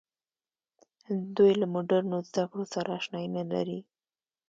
دوی له مډرنو زده کړو سره اشنايي نه لري.